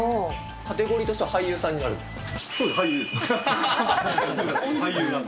カテゴリーとしては俳優さんになるんですか？